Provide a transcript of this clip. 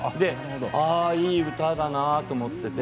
いい歌だなと思って。